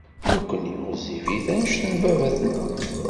Nekkni ɣezzifit anect n baba-tneɣ.